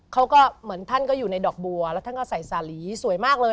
เขาก็เหมือนท่านก็อยู่ในดอกบัวแล้วท่านก็ใส่สาหรี่สวยมากเลย